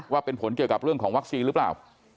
ว่าเป็นผลเกี่ยวกับเรื่องของวัคซีนหรือเปล่า